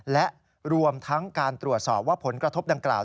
และรวมทั้งการตรวจสอบว่าผลกระทบดังกล่าว